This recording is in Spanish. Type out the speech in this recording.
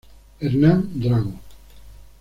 Hernán Drago.